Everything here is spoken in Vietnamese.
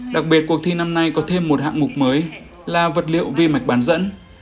đặc biệt cuộc thi năm nay có thêm một hạng mục mới là vật liệu vi mạch bán dẫn